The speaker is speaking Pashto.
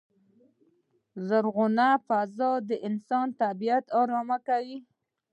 زرغونه فضا د انسان طبیعت ارامه کوی.